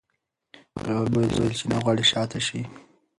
غابي وویل چې نه غواړي شا ته شي.